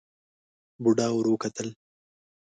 بوډا ور وکتل.